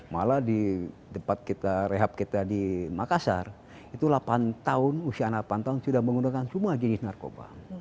malah di tempat kita rehab kita di makassar itu delapan tahun usia delapan tahun sudah menggunakan semua jenis narkoba